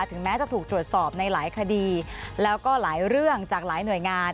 แม้จะถูกตรวจสอบในหลายคดีแล้วก็หลายเรื่องจากหลายหน่วยงาน